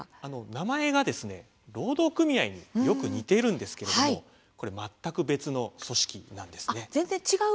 名前が労働組合とよく似ているんですけれども全く別の組織なんです。